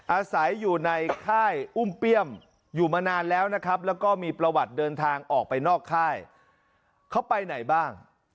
อาศัยอยู่ในค่ายอุ้มเปี้ยมอยู่มานานแล้วนะครับแล้วก็มีประวัติเดินทางออกไปนอกค่ายเขาไปไหนบ้าง